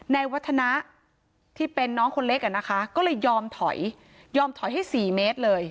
วัฒนะที่เป็นน้องคนเล็กอ่ะนะคะก็เลยยอมถอยยอมถอยให้๔เมตรเลย